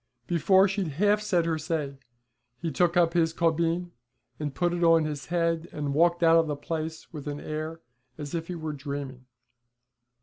Before she'd half said her say he took up his caubeen, put it on his head, and walked out of the place with an air as if he were dreaming.